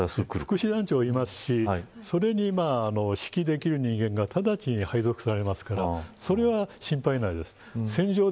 副師団長がいますしそれに指揮できる人間が直ちに配属されますからそれは心配ないです。